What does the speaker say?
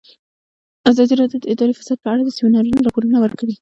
ازادي راډیو د اداري فساد په اړه د سیمینارونو راپورونه ورکړي.